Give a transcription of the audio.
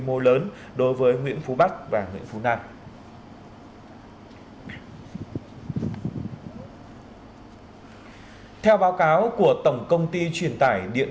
mô lớn đối với nguyễn phú bắc và nguyễn phú nam theo báo cáo của tổng công ty truyền tải điện